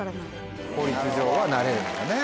法律上はなれるんだね。